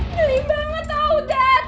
deli banget tau dad